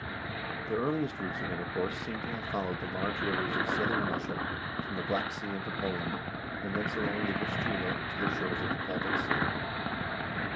The earliest routes of intercourse seem to have fol lowed the large rivers of southern Russia from the Black Sea into Poland, and thence along the Vistula to the shores of the Baltic Sea.